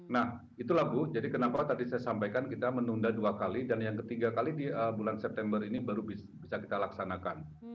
nah itulah bu jadi kenapa tadi saya sampaikan kita menunda dua kali dan yang ketiga kali di bulan september ini baru bisa kita laksanakan